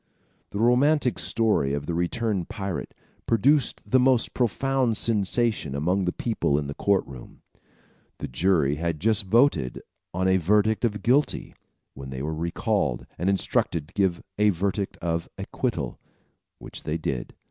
] The romantic story of the returned pirate produced the most profound sensation among the people in the court room. The jury had just voted on a verdict of guilty, when they were recalled, and instructed to give a verdict of acquittal, which they did.